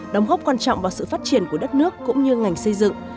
đóng góp quan trọng vào sự phát triển của đất nước cũng như ngành xây dựng